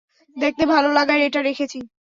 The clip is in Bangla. দেখতে ভালো লাগায় এটা রেখেছি।